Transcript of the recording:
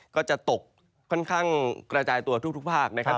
ก็จะตกค่อนข้างกระจายตัวทุกภาคนะครับ